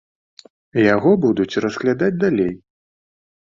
Яго будуць разглядаць далей.